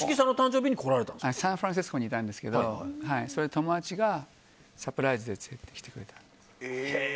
サンフランシスコにいたんですけど、友達がサプライズで連れてきてくれて。